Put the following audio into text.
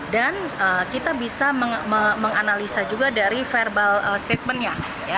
dan kita bisa menganalisa juga dari verbal statementnya